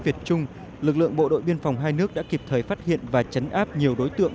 việt trung lực lượng bộ đội biên phòng hai nước đã kịp thời phát hiện và chấn áp nhiều đối tượng